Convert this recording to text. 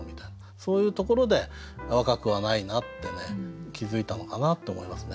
そういうところで若くはないなってね気付いたのかなと思いますね。